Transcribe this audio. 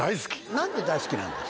何で大好きなんですか？